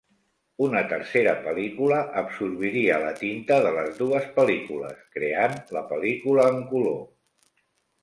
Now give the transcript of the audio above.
Una tercera pel·lícula absorbiria la tinta de les dues pel·lícules, creant la pel·lícula en color.